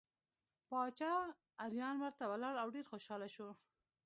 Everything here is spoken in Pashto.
باچا اریان ورته ولاړ او ډېر خوشحاله شو.